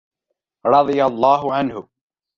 رَضِيَ اللَّهُ عَنْهُ